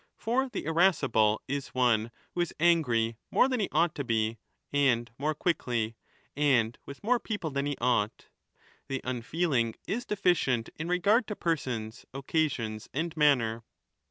For the irascible is one who is angry more than he ought to be, and more quickly, and with more people than he ought ; the unfeeling is deficient in regard to persons, occasions, and manner.